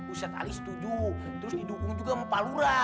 ustadz ali setuju terus didukung juga sama pak lura